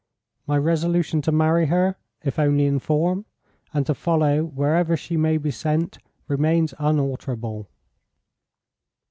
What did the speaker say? My resolution to marry her, if only in form, and to follow wherever she may be sent, remains unalterable."